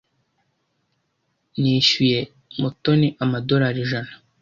Nishyuye Mutoni amadorari ijana.